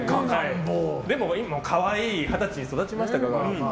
でも可愛い二十歳に育ちましたから。